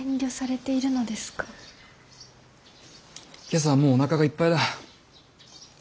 今朝はもうおなかがいっぱいだ。